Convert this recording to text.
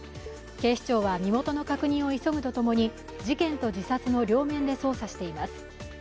警視庁は身元の確認を急ぐとともに事件と自殺の両面で捜査しています。